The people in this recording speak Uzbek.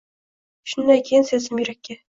Shundan keyin sezdim yurakda